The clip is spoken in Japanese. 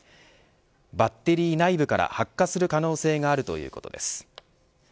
バッテリー内部から発火する可能性があるということです。